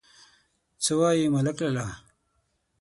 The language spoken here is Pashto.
_څه وايې ملک لالا ؟